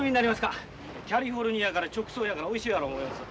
キャリフォルニヤから直送やからおいしいやろ思います。